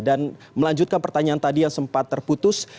dan melanjutkan pertanyaan tadi yang sempat terputus